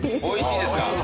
おいしいですか。